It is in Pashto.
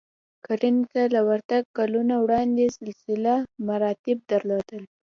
کرنې ته له ورتګ کلونه وړاندې سلسله مراتب درلودل